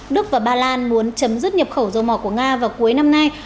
đức và ba lan muốn chấm dứt nhập khẩu dầu mỏ của nga vào cuối năm nay